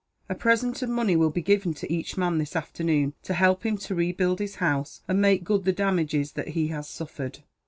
A present of money will be given to each man, this afternoon, to help him to rebuild his house, and make good the damages that he has suffered."